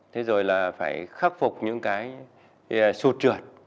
thế rồi là phải khắc phục những cái sụt trượt